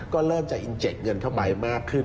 ก็เริ่มจะอินเจคเงินเข้าไปมากขึ้น